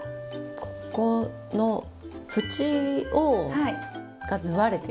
ここの縁が縫われてる。